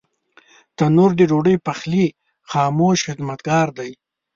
تنور د ډوډۍ د پخلي خاموش خدمتګار دی